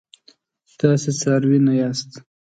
تاسي څاروي نه یاست.